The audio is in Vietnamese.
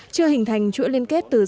chưa hình thành chuỗi liên kết tự nhiên